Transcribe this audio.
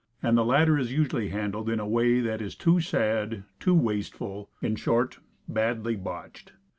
And the latter is usually handled in a way that is too sad, too wasteful; itf short, badly botched.